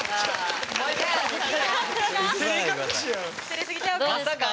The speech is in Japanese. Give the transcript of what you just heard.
・照れすぎちゃうか？